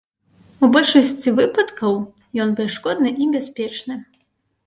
У большасці выпадкаў ён бясшкодны і бяспечны.